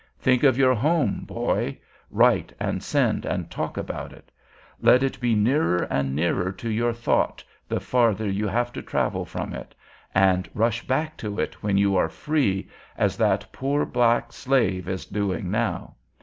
Think of your home, boy; write and send, and talk about it. Let it be nearer and nearer to your thought, the farther you have to travel from it; and rush back to it when you are free, as that poor black slave is doing now.